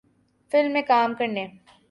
film میں کام کرنے